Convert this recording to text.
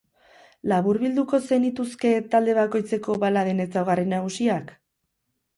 Laburbilduko zenituzke talde bakoitzeko baladen ezaugarri nagusiak?